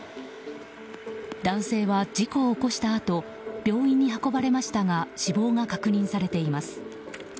男性は事故を起こしたあと病院に運ばれましたが死亡が確認されています。